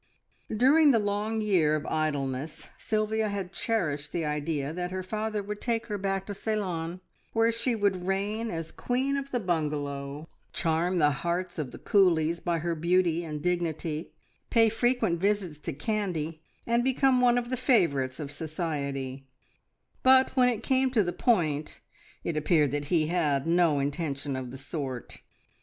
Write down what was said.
During the long year of idleness Sylvia had cherished the idea that her father would take her back to Ceylon, when she would reign as Queen of the Bungalow, charm the hearts of the coolies by her beauty and dignity, pay frequent visits to Kandy, and become one of the favourites of society; but when it came to the point it appeared that he had no intention of the sort.